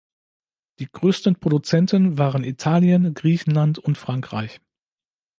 Die größten Produzenten waren Italien, Griechenland und Frankreich.